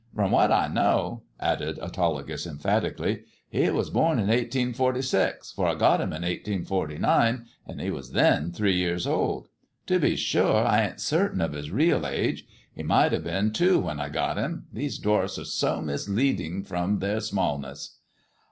From what I know," added Autolycus emphatically, "he was born in 1846, for I got him in 1849, and he was then three years old. To be sure, I ain't certain of his real age. He might have been two when I got him — these dwarfs are so misleading from their smallness."